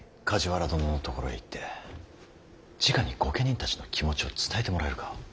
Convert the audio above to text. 梶原殿のところへ行ってじかに御家人たちの気持ちを伝えてもらえるか。